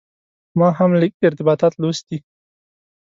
ما هم ارتباطات لوستي.